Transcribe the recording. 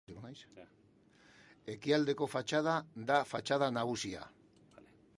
Ekialdeko fatxada da fatxada nagusia.